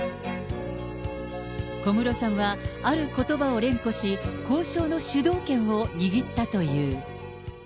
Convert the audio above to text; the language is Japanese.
小室さんは、あることばを連呼し、交渉の主導権を握ったという。